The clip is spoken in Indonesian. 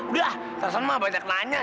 udah tarzan mah banyak nanya